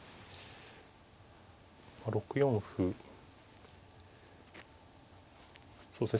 ６四歩そうですね